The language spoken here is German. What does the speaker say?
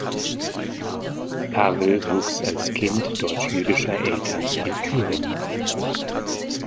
Pawel wuchs als Kind deutsch-jüdischer Eltern in Thüringen auf.